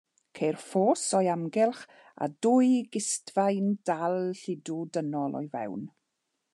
Ceir ffos o'i amgylch a dwy gistfaen dal lludw dynol o'i fewn.